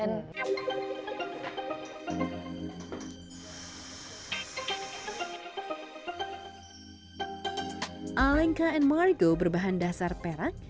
alengka and margo berbahan dasar perak